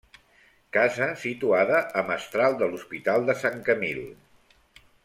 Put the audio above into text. Casa situada a mestral de l'Hospital de Sant Camil.